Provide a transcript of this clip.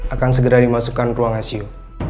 akan segera dimasukkan ke ruang asio